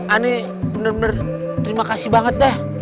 aneh bener bener terima kasih banget deh